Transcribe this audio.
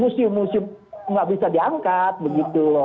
musium musium nggak bisa diangkat begitu loh